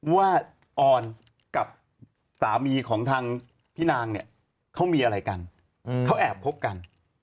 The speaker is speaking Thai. ว่าออนกับสามีของทางพี่นางเนี่ยเขามีอะไรกันเขาแอบคบกัน